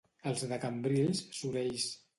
Els de Cambrils, sorells.